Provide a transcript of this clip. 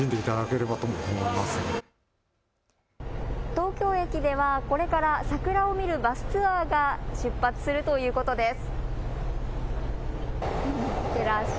東京駅ではこれから桜を見るバスツアーが出発するということです。